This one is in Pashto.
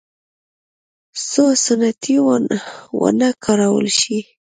څو ستنې ونه کارول شي.